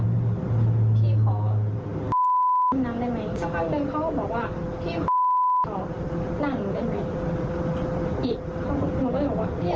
หนูกลัวเขามาถ้าหนูปล่อยไปหนูกลัวเขามากระช่าเป็นผิดค่ะ